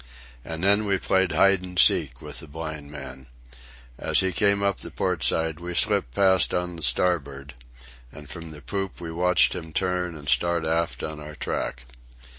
And then we played hide and seek with the blind man. As he came up the port side we slipped past on the starboard; and from the poop we watched him turn and start aft on our track.